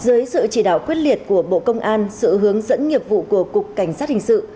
dưới sự chỉ đạo quyết liệt của bộ công an sự hướng dẫn nghiệp vụ của cục cảnh sát hình sự